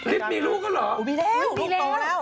ลิฟท์มีลูกก็เหรอ